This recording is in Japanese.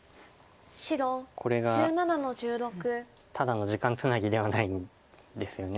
これがただの時間つなぎではないんですよね